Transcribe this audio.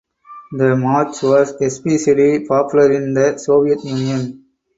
The march was especially popular in the Soviet Union.